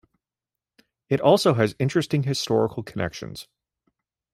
It also has interesting historical connections.